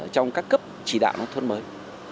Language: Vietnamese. trong các cấp chỉ đạo nông thôn mới